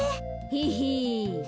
ヘヘ。